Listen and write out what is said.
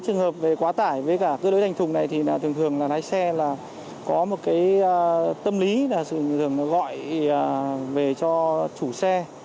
trường hợp về quá tải với cả cơ nới thành thùng này thì thường thường là lái xe là có một cái tâm lý là thường thường gọi về cho chủ xe